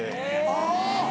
あぁ！